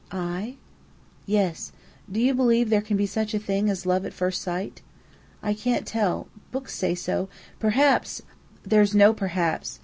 "I?" "Yes. Do you believe there can be such a thing as love at first sight?" "I can't tell. Books say so. Perhaps " "There's no 'perhaps.'